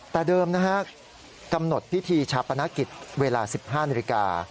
แต่เดิมกำหนดพิธีชาปนาคิตเวลา๑๕นิริกา